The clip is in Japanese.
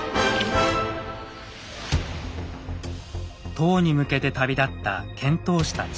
唐に向けて旅立った遣唐使たち。